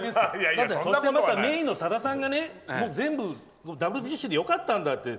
だって、メインのさださんが全部ＷＢＣでよかったんだって。